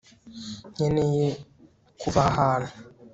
nkeneye kuva aha hantu